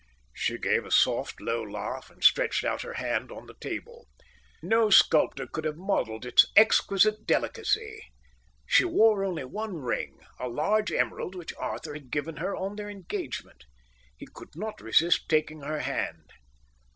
She gave a soft, low laugh and stretched out her hand on the table. No sculptor could have modelled its exquisite delicacy. She wore only one ring, a large emerald which Arthur had given her on their engagement. He could not resist taking her hand.